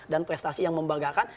dan prestasi yang membagakan